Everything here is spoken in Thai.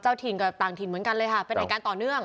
ถิ่นกับต่างถิ่นเหมือนกันเลยค่ะเป็นเหตุการณ์ต่อเนื่อง